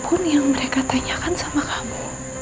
akun yang mereka tanyakan sama kamu